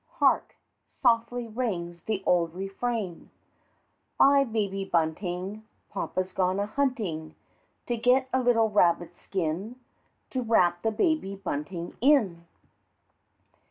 Hark, softly rings the old refrain! "By Baby Bunting! Papa's gone a hunting, To get a little rabbit skin To wrap the Baby Bunting in."